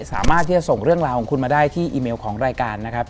สามารถที่จะส่งเรื่องราวของคุณมาได้ที่อีเมลของรายการนะครับ